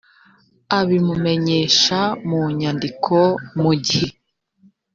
abimumenyesha mu nyandiko mu gihe